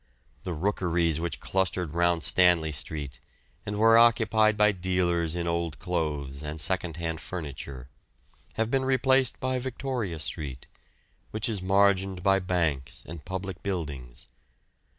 The rookeries which clustered round Stanley Street, and were occupied by dealers in old clothes and secondhand furniture, have been replaced by Victoria Street, which is margined by banks and public buildings.